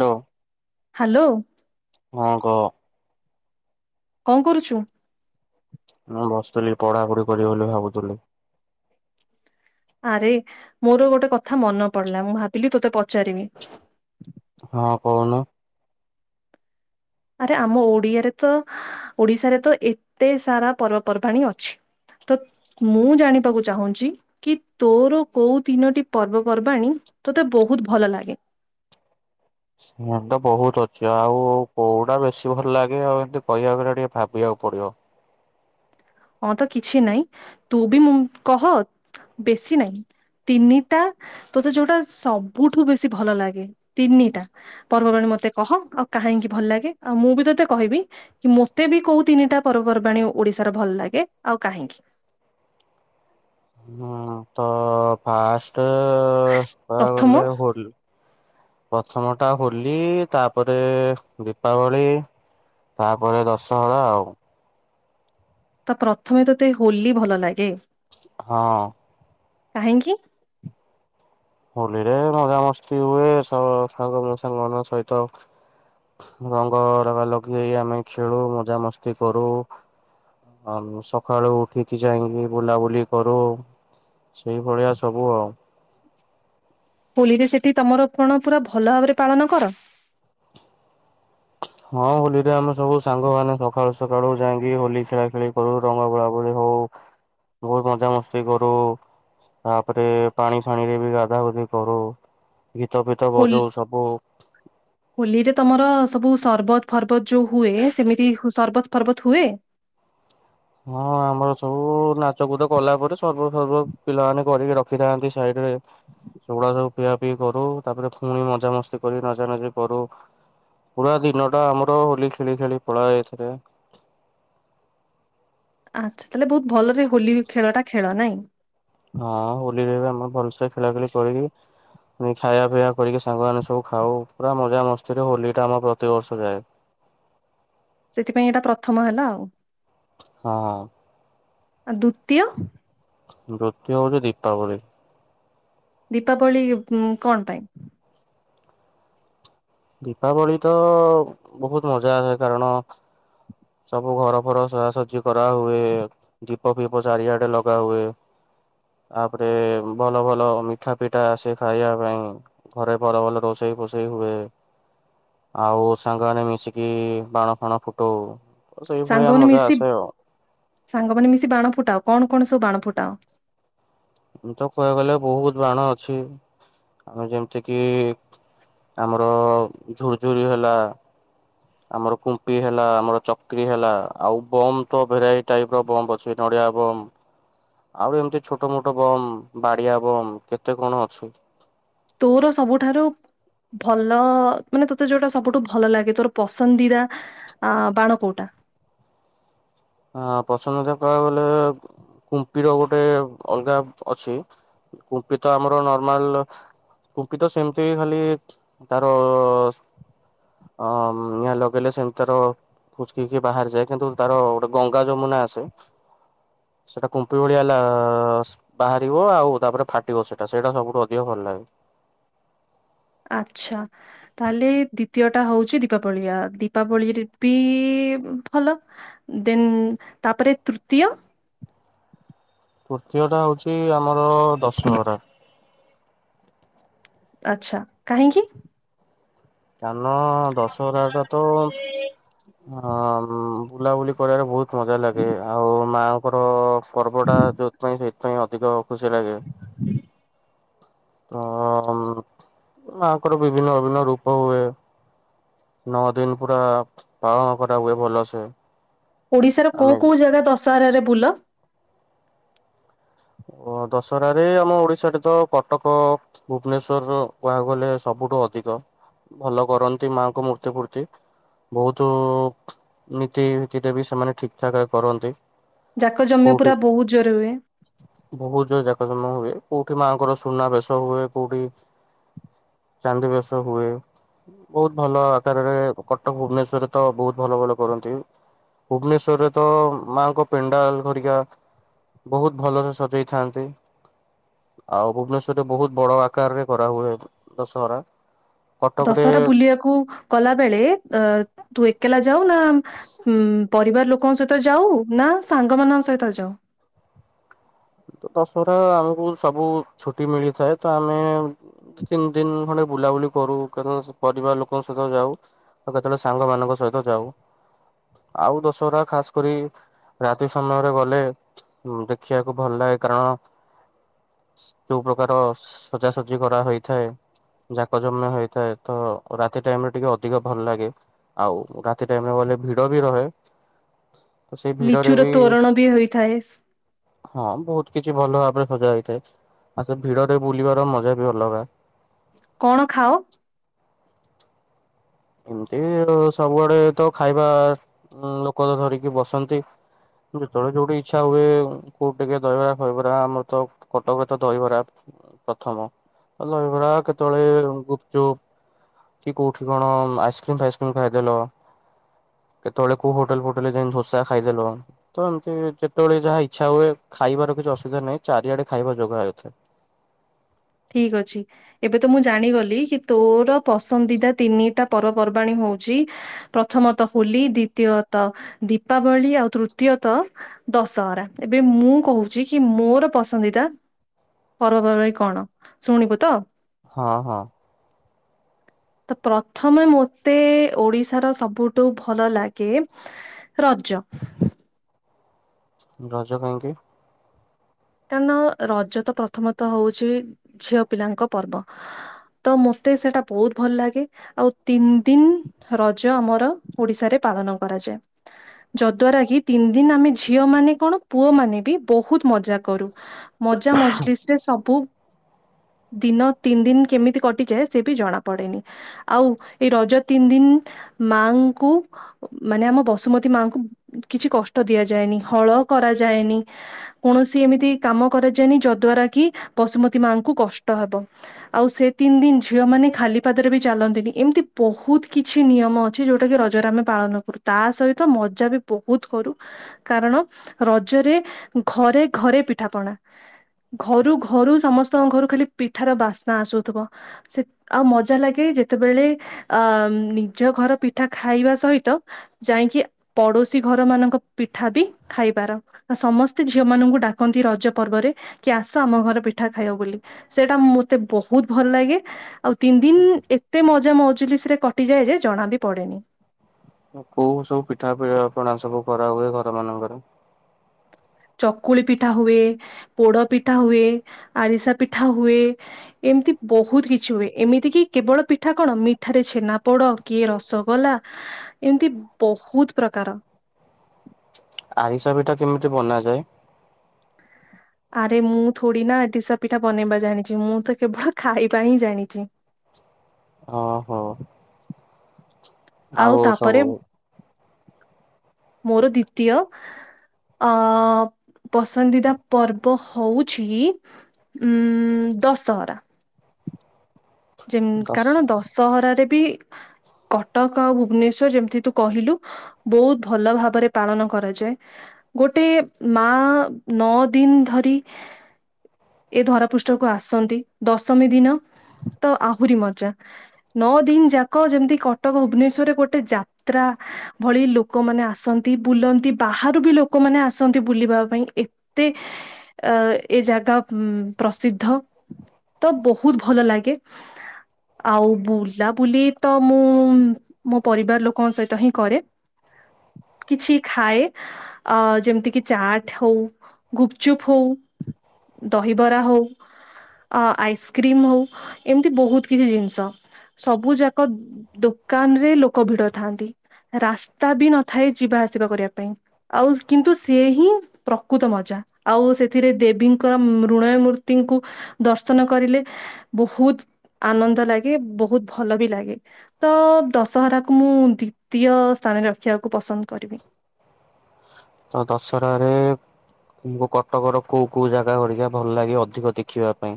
ହ ହ୍ୟାଲୋ। ହଁ କ। କଣ କରୁଛୁ ମୁଁ ବସିଥିଲି ପଢାପଢି କରିବି ବୋଲି ଭାବୁଥିଲି। ଆରେ ମୋର ଗୋଟେ କଥା ମନେ ପଡିଲା ମୁଁ ଭାବିଲି ତୋତେ ପଚାରିବି। ହଁ କହୁନ। ଆରେ ଆମ ଓଡିଆରେ ତ ଓଡିଶାରେ ତ ଏତେ ସାରା ପର୍ବପର୍ବାଣୀ ଅଛି। ତ ମୁଁ ଜାଣିବାକୁ ଚାହୁଁଛି। କି ତୋର କୋଉ ତିନୋଟି ପର୍ବ କରବାଣି ତୋତେ ବହୁତ ଭଲ ଲାଗେ ଏମତି ବହୁତ ଅଛି ଆଉ କୋଉଟା ବେଶୀ ଭଲ ଲାଗେ ଆଉ ଏମିତି କହିବାକୁ କଲେ ଟିକେ ଭାବିବାକୁ ପଡିବ। ହଁ ତ କିଛି ନହିଁ ତୁ ବି ମୁଁ କହ ବେଶୀ ନହିଁ। ତିନିଟା ତୋତେ ଯୋଉଟା ସବୁଠୁ ବେଶି ଭଲ ଲାଗେ ତିନିଟା। ପର୍ବବାଣୀ ମତେ କହ ଆଉ କାହିଁକି ଭଲ ଲାଗେ ଆଉ ମୁଁ ବି ତୋତେ କହିବି ମତେ ବି କୋଉ ତିନିଟା ପର୍ବପର୍ବାଣିୀ ଓଡିଶାର ଭଲ ଲାଗେ ଆଉ କାହିଁକି। ହୁଁ ତ ଫାଷ୍ଟ କହା ପ୍ରଥମ ଗଲେ ହ ପ୍ରଥମ ଟା ହୋଲି ତାପରେ ଦୀପାବଳି ତାପରେ ଦଶହରା ଆଉ। ତ ପ୍ରଥମେ ତତେ ହୋଲି ଭଲ ଲାଗେ ହଁ। କାହିଁକି? ହୋଲି ରେ ମଜାମସ୍ତି ହୁଏ ସବ ସା ସାଙ୍ଗ ସହିତ ରଙ୍ଗ ଲଗା ଲଗେଇ ହେଇ ଆମେ ଖେଳୁ ମଜାମସ୍ତି କରୁ ଆଉ ସକାଳୁ ଉଠିକି ଯାଇକି ବୁଲାବୁଲି କରୁ। ସେଇଭଳିଆ ସବୁ ଆଉ। ହୋଲିରେ ସେଠି ତମର କଣ ପୁରା ଭଲ ଭାବରେ ପାଳନ କର। ହଁ ହୋଲିରେ ଆମେ ସବୁ ସାଙ୍ଗମାନୋନେ ସକାଳୁ ସକାଳୁ ଯାଇକି ହୋଲି ଖେଳା ଖେଳି କରୁ ରଙ୍ଗ ବୋଳା ବୋଳି ହଉ। ବହୁତ ମଜାାମସ୍ତି କରୁ। ତାପରେ ପାଣି ଫାଣି ରେ ବି ଗାଧା ଗୁଧି କରୁ ଗୀତ ଫିତ ହୋଲି ବଜାଉ ସବୁ। ହୋଲିରେ ତମର ସବୁ ସରବତ ଫର୍ବତ ଯୋଉ ହୁଏ ସେମିତି ସରବତ ଫର୍ବତ ହୁଏ। ହଁ ଆମର ସବୁ ନାଚ କଚ କଲା ପରେ ସର୍ବ ସର୍ବ ପିଲାମାନୋନ କରିକି ରଖିଥାନ୍ତି ସାଇଡ ରେ ସେୁଗୁଡା ସବୁ ପିଆ ପିଇ କରୁ। ତାପରେ ପୁଣି ମଜା ମସ୍ତି କରି ନଚା ନଚି କରୁ। ପୁରା ଦିନ ଟା ଆମର ହୋଲି ଖେଳି ଖେଳି ପଳାଏ ଏଥିରେ। ଆଚ୍ଛା! ତାହେଲେ ବହୁତ ଭଲରେ ହୋଲି ଖେଳ ଟା ଖେଳ ନାଇଁ, ହଁ ହୋଲିରେ ଆମେ ଭଲସେ ଖେଳାଖେଳି କରିବୁ। ପୁଣି ଖାଇବା ପିଇଆ କରିକି ସାଙ୍ଗମାନେ ସବୁ ଖାଉ ପୁରା ମଜା ମସ୍ତିରେ ହୋଲି ଟା ଆମର ପ୍ରତିିବର୍ଷ ଯାଏ। ସେଥିପାଇଁ ଏଇଟା ପ୍ରଥମ ହେଲା ଆଉ, ହଁ, ଆଉ ଦ୍ଵିତୀୟ? ଦ୍ଵିତୀୟ ହେଉଛି ଦୀପାବଳି। ଦୀପାବଳି ଉ କଣ ପାଇଁ? ଦୀପାବଳି ତ ବହୁତ ମଜା ଆସେ କାରଣ ସବୁ ଘର ଫର ସଜାସଜି କରା ହୁଏ। ଦୀପ ଫିପ ଚାରିଆଡେ ଲଗା ହୁଏ। ତାପରେ ଭଲ ଭଲ ମିଠା ପିଠା ଆସେ ଖାଇବା ପାଇଁ। ଘରେ ଭଲ ଭଲ ରୋଷେଇ ଫୋଷେଇ ହୁଏ। ଆଉ ସାଙ୍ଗମାନେ ମିଶିକି ବାଣ ଫାଣ ଫୁଟଉ। ସେଇଭଳିଆ ସାଙ୍ଗମାନେ ମଜା ମିଶି ଆସେ ଆଉ। ସାଙ୍ଗମାନୋନ ମିଶି ବାଣ ଫୁଟାଅ କଣ କଣ ସବୁ ବାଣ ଫୁଟାଅ। ମୁଁ ତ କହିବାକୁ ଗଲେ ବହୁତ ବାଣ ଅଛି। ହଁ ଯେମିତି କିି ଆମର ଝୁୁରଝୁରି ହେଲା। ଆମର କୁମ୍ପି ହେଲା, ଆମର ଚକ୍ରି ହେଲା, ଆଉ ବମ୍ ତ ଭେରାଇଟି ଟାଇପ ର ବମ୍ ଅ ସେ ନଡ଼ିଆ ବମ୍। ଆଉ ଏମିତି ଛୋଟ ମୋଟ ବମ୍, ବାଡିଆ ବମ୍, କେତେ କଣ ଅଛି। ତୋର ସବୁଠାରୁ ଭଲ ମାନେ ତୋତେ ଯୋଉଟା ସବୁଠୁ ଭଲ ଲାଗେ ତୋର ପସନ୍ଦିଦା ଆ ବାଣ କୋଉଟା? ହଁ ପସନ୍ଦିଦା କହିବାକୁ ଗଲେ, କୁମ୍ପିର ଗୋଟେ ଅଲଗା ଅଛି। କୁମ୍ପି ତ ଆମର ନର୍ମାଲ କୁମ୍ପି ତ ସେମିତି ଖାଲି ତାର ଅ ନିଆଁ ଲଗେଇଲେ ସେମିତି ତାର ଫୁସକିକି ବାହାରିଯାଏ, କିନ୍ତୁ ତାର ଗଙ୍ଗା ଯମୁନା ଆସେ, ସେଟା କୁମ୍ପି ଭଳିଆ ଲା ବାହାରିବ ଆଉ ତାପରେ ଫାଟିବ ସେଇଟା, ସେଇଟା ସବୁଠୁ ଅଧିକ ଭଲ ଲାଗେ। ଆଚ୍ଛା! ତାହେଲେ ଦ୍ଵିତୀୟ ଟା ହଉଛି ଦୀପାବଳି ଆ ଦୀପାବଳିରେ ବି ଭଲ ଦେନ୍ ତାପରେ ତୃତୀୟ? ତୃତୀୟ ଟା ହଉଛି ଆମର ଦଶହରା। ଆଛା। କାହିଁକି? କାରଣ ଦଶହରା ଟା ତ ଅ ବୁଲାବୁଲି କରିବାରେ ବହୁତ ମଜା ଲାଗେ। ଆଉ ମା ଙ୍କର ପର୍ବଟା ଯୋଉଥିପାଇଁ ସେଇଥିପାଇଁ ଅଧିକ ଖୁସି ଲାଗେ ଅ ଅମ୍ ମା ଙ୍କର ବିଭିନ୍ନ ବିଭିନ୍ନ ରୂପ ହୁଏ। ନଅ ଦିନ ପୁରା, ପାଳନ କରା ହୁଏ ଭଲସେ। ଓଡିଶାର କୋଉ ଆମେ କୋଉ ଜାଗା ଦଶହରାରେ ବୁଲ? ଓ ଦଶହରା ରେ ଆମ ଓଡିଶାରେ ତ କଟକ ଭୁବନେସ୍ୱର ର କୁହିବାକୁ ଗଲେ ସବୁଠୁ ଅଧିକ। ଭଲ କରନ୍ତି ମା ଙ୍କ ମୂର୍ତ୍ତି ଫୂର୍ତ୍ତି ବହୁତ ନୀତିରିତିରେ ବି ସେମାନେ ଠିକ ଠାକ ରେ କରନ୍ତି। ଯାକ ଜମି କୋଉଠି ପୁରା ବହୁତ ଜୋର ହୁଏ। ବହୁତ ଜୋର ଯାକ ଜମ ହୁଏ। କୋଉଠି ମାଆ ଙ୍କର ସୁନା ବେଶ ହୁଏ, କୋଉଠି ଚାନ୍ଦି ବେଶ ହୁଏ। ବହୁତ ଭଲ ଆକାରରେ କଟକ, ଭୁବନେଶ୍ଵରରେ ତ ବହୁତ ଭଲ ଭଲ କରନ୍ତି। ଭୁବନେଶ୍ଵରରେ ତ ମାଆଙ୍କ ପେଣ୍ଡାଲ ଘରିକା ବହୁତ ଭଲରେ ସଜେଇଥାନ୍ତି। ଆଉ ଭୁବନେଶ୍ଵରରେ ବହୁତ ବଡ ଆକାର ରେ କରାହୁୁଏ ଦଶହରା। କଟକରେ ଦଶହରା ବୁଲିବାକୁ ଗଲା ବେଳେ ଅ ତୁ ଏକଲା ଯାଉ ନା ଉ ପରିବାର ଲୋକଙ୍କ ସହିତ ଯାଉ, ନା ସାଙ୍ଗମାନଙ୍କ ସହିତ ଯାଉ? ଦଶହରା ଆମକୁ ସବୁ ଛୁଟି ମିଳିଥାଏ, ତ ଆମେ ତିନି ଦିନ ଖଣ୍ଡେ ବୁଲାବୁଲି କରୁ। କାରଣ ପରିବାର ଲୋକଙ୍କ ସହିତ ଯାଉ। ଆଉ କେତେବେଳେ ସାଙ୍ଗ ମାନଙ୍କ ସହିତ ଯାଉ। ଆଉ ଦଶହରା ଖାସ କରି, ରାତି ସମୟରେ ଗଲେ, ଦେଖିବାକୁ ଭଲ ଲାଗେ କାରଣ, ଯୋଉ ପ୍ରକାର ସଜାସଜି କରାହୋଥାଏ। ଯାକ ଜମ୍ୟ ହେଇଥାଏ ତ, ରାତି ଟାଇମ ରେ ଟିକେ ଅଧିକ ଭଲ ଲାଗେ। ଆଉ ରାତି ଟାଇମ ରେ ଗଲେ ଭିଡ ବି ରହେ। ତ ସେଇ ଭିଡରେ ଲିଚୁର ବି ତୋରଣ ବି ହୋଇଥାଏ। ହଁ ବହୁତ କିଛି ଭଲ ଭାବରେ ସଜା ହେଇଥାଏ। ଆଉ ସେ ଭିଡ ରେ ବୁଲିବାର ମଜା ବି ଅଲଗା। କଣ ଖାଅ? ଏମତି ତ ସବୁଆଡେ ତ ଖାଇବା ଲୋକ ଧରିକି ବସନ୍ତି। ଯେତେବେଳେ ଯୋଉଠି ଇଚ୍ଛା ହୁଏ କୋଉଠି ଟିକେ ଦହିବରା ଫହିବରା ଆମର ତ କଟକରେ ତ ଦହିବରା ପ୍ରଥମ। ଦହିବରା କେତେବେଳେ ଗୁପଚୁପ କି କୋଉଠି କଣ ଆଇସ୍କ୍ରିମ୍ ଫାଇସ୍କ୍ରିମ୍ ଖାଇଦେଲ, କେତେବେଳେ କୋଉ ହୋଟେଲ ଫୋଟେଲ ରେ ଯାଇଁକି ଦୋସା ଖାଇଦେଲ ତ ଏମତି ଯେତେବେଳେ ଯାହା ଇଚ୍ଛା ହୁଏ ଖାଇବାର କିଛି ଅସୁବିଧା ନାହିଁ, ଚାରିଆଡେ ଖାଇବା ଯୋଗ ହେଇଥାଏ। ଠିକ୍ ଅଛି। ଏବେ ତ ମୁଁ ଜାଣିଗଲି କି ତୋର ପସନ୍ଦିଦା ତିନିଟା ପର୍ବପର୍ବାଣୀ ହଉଚି ପ୍ରଥମତଃ ହୋଲି, ଦ୍ଵିତୀୟତଃ ଦୀପାବଳି, ଆଉ ତୃତୀୟତଃ ଦଶହରା। ଏବେ ମୁଁ କହୁଚି କି ମୋର ପସନ୍ଦିଦା ପର୍ବପର୍ବାଣୀ କଣ? ଶୁଣିବୁ ତ? ହଁ ହଁ। ତ ପ୍ରଥମେ ମତେ ଓଡିଶାର ସବୁଠୁ ଭଲ ଲାଗେ ରଜ। ରଜ କେନ୍ତି କାରଣ ରଜ ତ ପ୍ରଥମତଃ ହଉଚ ଝିଅ ପିଲାଙ୍କ ପର୍ବ। ତ ମତେ ସେଟା ବହୁତ ଭଲ ଲାଗେ। ଆଉ ତିନ୍ ଦିନ୍ ରଜ ଆମର ଓଡିଶାରେ ପାଳନ କରାଯାଏ। ଯଦ୍ଵାରା କିି ତିନ୍ ଦିନ୍ ଆମେ ଝିଅ ମାନେ କଣ ପୁଅ ମାନେ ବି ବହୁତ୍ ମଜା କରୁ। ମଜା ମଜଲିସ୍ ରେ ସବୁ ଦିନ ତିନ୍ ଦିନ୍ କେମିତି କଟିଯାଏ ସେ ବି ଜଣା ପଡେନି। ଆଉ ଏଇ ରଜ ତିନ୍ ଦିନ୍ ମାଙ୍କୁ ମାନେ ଆମ ବସୁମତୀ ମାଙ୍କୁ କିଛି କଷ୍ଟ ଦିଆଯାଏନି। ହଳ କରାଯାଏନି। କୌଣସି ଏମିତି କାମ କରାଯାଏନି ଯଦ୍ୱାରା କି ବସୁମତୀ ମାଙ୍କୁ କଷ୍ଟ ହବ। ଆଉ ସେ ତିନ୍ ଦିନ୍ ଝିଅ ମାନେ ଖାଲିପାଦରେ ବି ଚାଲନ୍ତିନି। ଏମିତି ବହୁତ କିଛି ନିୟମ ଅଛି, ଯୋଉଟା କି ରଜରେ ଆମେ ପାଳନ କରୁ। ତା ସହିତ ମଜା ବି ବହୁତ କରୁ। କାରଣ ରଜରେ ଘରେ ଘରେ ପିଠାପଣା। ଘରୁ ଘରୁ ସମସ୍ତଙ୍କ ଘରୁ ଖାଲି ପିଠାର ବାସ୍ନା ଆସୁଥିବ। ସେ ଆଉ ମଜା ଲାଗେ ଯେତେବେଳେ ଅମ୍ ନିଜ ଘର ପିଠା ଖାଇବା ସହିତ ଯାଇଁକି ପଡୋଶୀ ଘର ମାନଙ୍କ ପିଠା ବି ଖାଇବାର। ଆ ସମସ୍ତେ ଝିଅ ମାନଙ୍କୁ ଡାକନ୍ତି ରଜ ପର୍ବରେ, କି ଆସ ଆମ ଘରେ ପିଠା ଖାଇବ ବୋଲି। ସେଟା ମତେ ବହୁତ୍ ଭଲ୍ ଲାଗେ। ଆଉ ତିନ୍ ଦିନ୍ ଏତେ ମଜା ମଜୁଲିସ ରେ କଟିଯାଏ ଯେ ଜଣା ବି ପଡେନି। କୋଉ ସବୁ ପିଠା ପଣା ସବୁ କରା ହୁଏ ଘର ମାନଙ୍କରେ? ଚକୁଳି ପିଠା ହୁଏ, ପୋଡ ପିଠା ହୁଏ, ଆରିସା ପିଠା ହୁଏ। ଏମତି ବହୁତ୍ କିଛି ହୁଏ। ଏମିତି କିି କେବଳ ପିଠା କଣ ମିଠାରେ ଛେନା ପୋଡ କି ରସଗୋଲା ଏମତି ବହୁତ୍ ପ୍ରକାର। ଆରିସା ପିଠା କେମିତି ବନାଯାଏ? ଆରେ ମୁଁ ଥୋଡି ନା ଆରିସା ପିଠା ବନେଇବା ଜାଣିଚି। ମୁଁ ତ କେବଳ ଖାଇବା ହିଁ ଜାଣିଚି। ଓହୋ। ଆଉ ତାପରେ ମୋର ଦ୍ଵିତୀୟ ଅ ପସନ୍ଦିଦା ପର୍ବ ହଉଛି ଉଁ -ଦଶହରା। ଯେମ୍ ଦଶ କାରଣ ଦଶହରାରେ ବି କଟକ ଆଉ ଭୁବନେଶ୍ଵର ଯେମ୍ତି ତୁ କହିଲୁ। ବୋଉତ୍ ଭଲ ଭାବରେ ପାଳନ କରାଯାଏ। ଗୋଟେ ମା ନଅ ଦିନ୍ ଧରି ଏ ଧରା ପୃଷ୍ଠକୁ ଆସନ୍ତି ଦଶମୀ ଦିନ। ତ ଆହୁରି ମଜା, ନଅ ଦିନ୍ ଯାକ ଯେମିତି କଟକ ଭୁବନେଶ୍ଵରରେ ଗୋଟେ ଯାତ୍ରା। ଭଳି ଲୋକମାନେ ଆସନ୍ତି, ବୁଲନ୍ତି ବାହାରୁ ବି ଲୋକମାନେ ଆସନ୍ତି ବୁଲିବା ପାଇଁ। ଏ ଦି ଅ ଏ ଜାଗା ଉ ପ୍ରସିଦ୍ଧ। ତ ବୋହୁତ୍ ଭଲ ଲାଗେ। ଆଉ ବୁଲାବୁଲି ତ ମୁଁ ମୋ ପରିବାର ଲୋକଙ୍କ ସହିତ ହିଁ କରେ। କିଛି ଖାଏ। ଅ ଯେମ୍ତି କିି ଚାଟ୍ ହୋଉ ଗୁପଚୁପ୍ ହୋଉ। ଦହିବରା ହୋଉ, ଅ ଆଇସ୍କ୍ରିମ୍ ହୋଉ। ଏମ୍ତି ବୋହୁତ୍ କିଛି ଜିନ୍ଷ ସବୁ ଯାକ ଦୋକାନ୍ ରେ ଲୋକ ଭିଡ ଥାନ୍ତି। ରାସ୍ତା ବି ନଥାଏ ଯିବା ଆସିବା କରିବା ପାଇଁ, ଆଉ କିନ୍ତୁ ସିଏ ହିଁ ପ୍ରକୃତ ମଜା ଆଉ ସେଥିରେ ଦେବୀଙ୍କର ମୃଣୟ ମୂର୍ତ୍ତିଙ୍କୁ ଦର୍ଶନ କରିଲେ ବୋହୁତ୍ ଆନନ୍ଦ ଲାଗେ, ବୋହୁତ୍ ଭଲ ବି ଲାଗେ। ତ ଦଶହରାକୁ ମୁଁ ଦ୍ଵିତୀୟ ସ୍ଥାନରେ ରଖିଆକୁ ପସନ୍ଦ କରିବି। ତ ଦଶରା ରେ ମୁଁ କଟକ ର କୋଉ କୋଉ ଜାଗା ଗରିକା ଭଲ୍ ଲାଗେ ଅଧିକ ଦେଖିବା ପାଇଁ,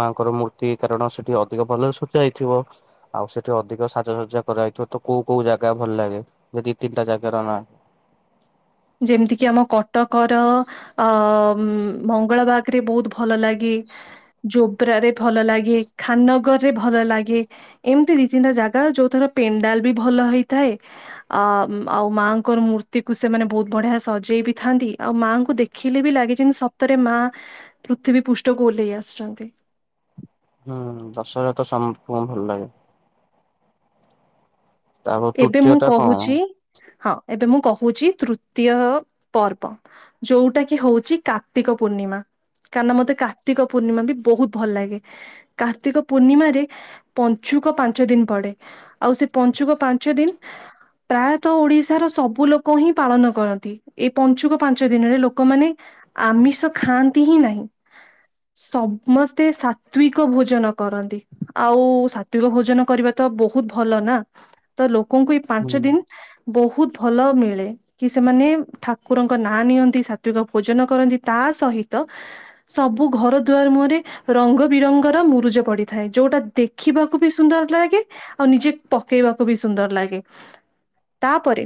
ମାଆଙ୍କର ମୂ ତି କାରଣ ସେଠି ଅଧିକ ଭଲରେ ସଜା ହେଇଥିବ। ଆଉ ସେଠି ଅଧିକ ସାଜସଜା କରାହେଇଥିବ ତ କୋଉ କୋଉ ଜାଗା ଭଲ୍ ଲାଗେ? ଯେ ଦି ତିନ୍ଟା ଜାଗ ର ନାଁ। ଯେମିତି କିି ଆମ କଟକର ଅ- ମ୍ -ମଙ୍ଗଳା ବାଗ୍ ରେ ବୋହୁତ୍ ଭଲ ଲାଗେ, ଜୋବ୍ରା ରେ ଭଲ ଲାଗେ, ଖାନ୍ ନଗର୍ ରେ ଭଲ ଲାଗେ ଏମ୍ତି ଦି ତିନ୍ଟା ଜାଗା ଯୋଉଥର ପେଣ୍ଡାଲ୍ ବି ଭଲ ହୋଇଥାଏ। ଆ- ମ୍ ଆଉ ମାଆଙ୍କର ମୂର୍ତ୍ତି କୁ ସେମାନେ ଭୋଉତ୍ ବଢିଆ ସଜେଇ ବି ଥାନ୍ତି, ଆଉ ମାଆଙ୍କୁ ଦେଖିଲେ ବି ଲାଗି ଯେମତି ସତରେ ମା ପୃଥିବୀ ପୁଉଷ୍ଠକୁ ଓହ୍ଲେଇ ଆସିଛନ୍ନ୍ତି। ହୁଁ ଦଶହରା ତ ସମସ୍ତଙ୍କୁ ଭଲ୍ ଲାଗେ। ତାପରେ ଏବେ ତୃତୀୟ ମୁଁ ଟା କଣ? କହୁଛି, ହଁ ଏବେ ମୁଁ କହୁଛି ତୃତୀୟ ପର୍ବ। ଯୋଉଟା କି ହୋଉଚି କାର୍ତ୍ତିକ ପୂର୍ଣ୍ଣିମା। କାରଣ ମତେ କାର୍ତିକ ପୂର୍ଣ୍ଣିମା ବି ବୋହୁତ୍ ଭଲ ଲାଗେ। କାର୍ତ୍ତିକ ପୂର୍ଣ୍ଣିମାରେ ପଞ୍ଚୁକ ପାଞ୍ଚ ଦିନ୍ ପଡେ, ଆଉ ସେ ପଞ୍ଚୁକ ପାଞ୍ଚ୍ ପାଞ୍ଚ ଦିନ୍ ପ୍ରାୟତଃ ଓଡିଶାର ସବୁ ଲୋକ ହିଁ ପାଳନ କରନ୍ତି। ଏଇ ପଞ୍ଚୁକ ପାଞ୍ଚ ଦିନରେ ଲୋକମାନେ ଆମିଷ ଖାଆନ୍ତି ହିଁ ନାହିଁ। ସମସ୍ତେ ସାତ୍ରିକ ଭୋଜନ କରନ୍ତି ଆଉ ସା ତ୍ରିକ ଭୋଜନ କରିବା ତ ବୋହୁତ୍ ଭଲ ନା, ତ ଲୋକଙ୍କୁ ଏଇ ହୁଁ ପାଞ୍ଚ ଦିନ୍ ବୋହୁତ୍ ଭଲ ମିଳେ। କି ସେମାନେ ଠାକୁରଙ୍କ ନାଁ ନିଅନ୍ତି ସାତ୍ରିକ ଭୋଜନ କରନ୍ତି ତା ସହିତ ସବୁ ଘର ଦୁଆର ମୁହଁରେ। ରଙ୍ଗ ବିରଙ୍ଗର ମୁରୁଜ ପଡିଥାଏ ଯୋଉଟା ଦେଖିବାକୁ ବି ସୁନ୍ଦର ଲାଗେ। ଆଉ ନିଜେ ପକେଇବାକୁ ବି ସୁନ୍ଦର ଲାଗେ। ତା ପରେ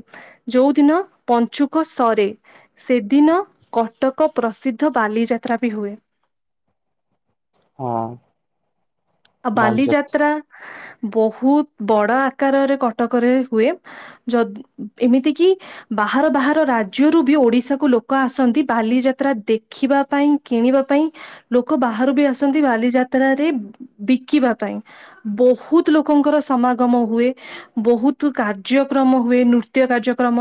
ଯୋଉଦିନ ପଞ୍ଚୁକ ସରେ ସେଦିନ କଟକ ପ୍ରସିଦ୍ଧ ବାଲିଯାତ୍ରା ବି ହୁଏ। ହଁ। ଆଉ ବାଲିଯାତ୍ରା ବହୁତ ବଡ ଆକାରରେ କଟକରେ ହୁଏ। ଯଦ ଏମିତି କିି ବାହାର ବାହାର ରାଜ୍ୟରୁ ବି ଓଡିଶାକୁ ଲୋକ ଆସନ୍ତି ବାଲିଯାତ୍ରା ଦେଖିବା ପାଇଁ କିଣିବା ପାଇଁ ଲୋକ ବାହାରୁ ବି ଆସନ୍ତି ବାଲିଯାତ୍ରାରେ ବି ବିକିବା ପାଇଁ। ବହୁତ ଲୋକଙ୍କର ସମାଗମ ହୁଏ। ବହୁତ କାର୍ଯ୍ୟକ୍ରମ ହୁଏ ନୃତ୍ୟ କାର୍ଯ୍ୟକ୍ରମ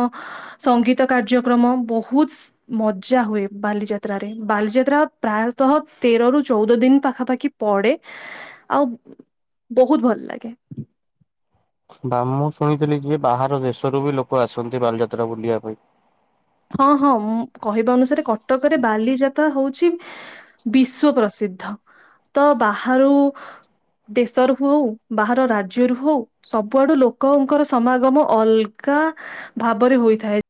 ସଙ୍ଗୀତ କାର୍ଯ୍ୟକ୍ରମ ବହୁସ ମଜା ହୁଏ ବାଲିଯାତ୍ରାରେ ବାଲିଯାତ୍ରା ପ୍ରାୟତଃ ତେର ରୁ ଚଉଦ ଦିନ ପାଖାପାଖି ପଡେ। ଆଉ ବହୁତ ଭଲ ଲାଗେ। ବା ମୁଁ ଶୁଣିଥିଲି ଯିଏ ବାହାର ଦେଶରୁ ବି ଲୋକ ଆସନ୍ତି ବାଲିଯାତ୍ରା ବୁଲିବା ପାଇଁ। ହଁ ହଁ ମୁଁ କହିବା ଅନୁସାରେ କଟକରେ ବାଲିଯାତ ତ୍ରା ହଉଛି ବିଶ୍ଵ ପ୍ରସିଦ୍ଧ ତ ବାହାରୁ ଦେଶରୁ ହୋଉ ବାହାର ରାଜ୍ୟରୁ ହଉ ସବୁଆଡୁ ଲୋକଙ୍କର ସମାଗମ ଅଲଗା ଭାବରେ ହୋଇଥାଏ।